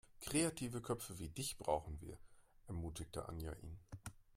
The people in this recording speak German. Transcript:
"Kreative Köpfe wie dich brauchen wir", ermutigte Anja ihn.